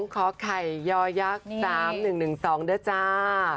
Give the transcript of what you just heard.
๒ขอไข่ย่อยยัก๓๑๑๒ด้วยจ้า